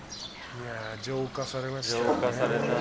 浄化されました。